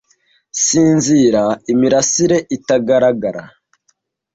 sinzira imirasire itagaragara